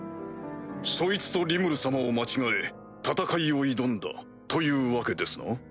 そいつとリムル様を間違え戦いを挑んだというわけですな？